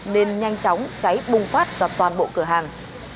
nên nhanh chóng cháy bùng phát ra toàn bộ cửa hàng